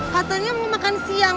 katanya mau makan siang